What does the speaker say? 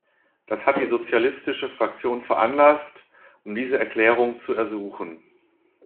Das hat die sozialistische Fraktion veranlasst, um diese Erklärung zu ersuchen.